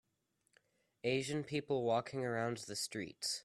Asian people walking around the streets.